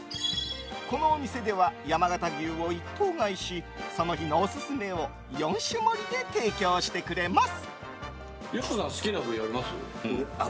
このお店では山形牛を一頭買いしその日のオススメを４種盛りで提供してくれます。